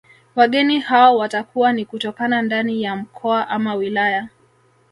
Wageni hao watakuwa ni kutokana ndani ya mkoa ama wilaya